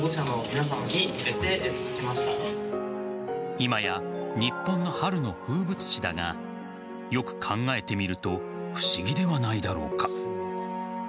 今や日本の春の風物詩だがよく考えてみると不思議ではないだろうか。